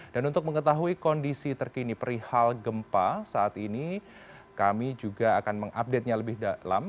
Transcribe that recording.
dan untuk mengetahui kondisi terkini perihal gempa saat ini kami juga akan mengupdate nya lebih dalam